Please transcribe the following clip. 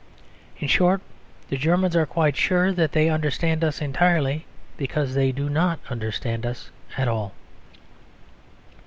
In short, the Germans are quite sure that they understand us entirely, because they do not understand us at all.